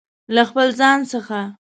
له خپل ځانه څخه